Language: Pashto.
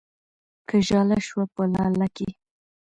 که ژاله شوه په لاله کې